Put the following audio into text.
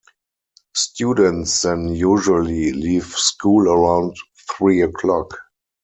Students then usually leave school around three o'clock.